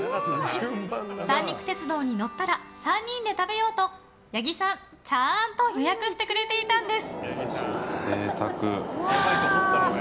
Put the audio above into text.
三陸鉄道に乗ったら３人で食べようと八木さん、ちゃんと予約してくれていたんです。